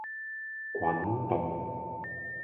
滾動